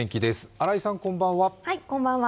新井さん、こんばんは。